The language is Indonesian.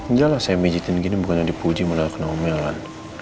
udah lah saya pijetin gini bukan dipuji melalui kenomelan